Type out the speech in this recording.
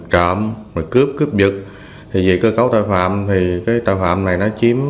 trộm cướp cướp giật về cơ cấu tội phạm tội phạm này chiếm